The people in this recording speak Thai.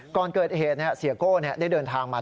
ก่อนเกิดเหตุเสียโก้ได้เดินทางมา